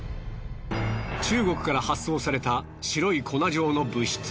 中国から発送された白い粉状の物質。